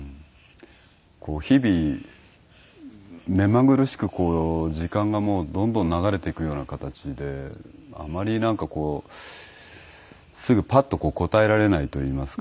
日々めまぐるしくこう時間がもうどんどん流れていくような形であまりなんかこうすぐパッと答えられないといいますか。